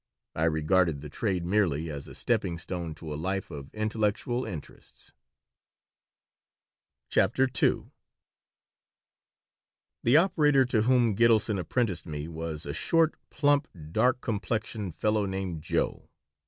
I regarded the trade merely as a stepping stone to a life of intellectual interests CHAPTER II THE operator to whom Gitelson apprenticed me was a short, plump, dark complexioned fellow named Joe.